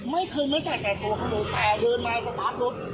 ไม่เคยไม่จัดการกับตัวเขาเลยแต่เดินมากับสตาร์ทรถ